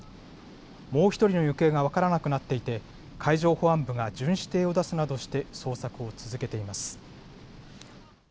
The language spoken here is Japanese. もう１人の行方が分からなくなっていて海上保安部が巡視艇を出すなどして捜索を続けています。